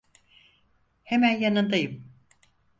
Hemen yanındayım.